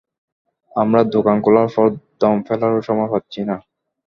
আমরা দোকান খোলার পর দম ফেলারও সময় পাচ্ছি না!